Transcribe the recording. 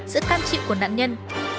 sự can chịu của nạn nhân